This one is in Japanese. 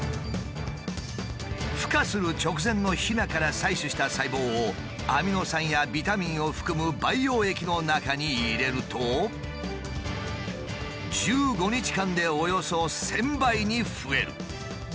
ふ化する直前のひなから採取した細胞をアミノ酸やビタミンを含む培養液の中に入れると１５日間でおよそ１，０００倍に増える。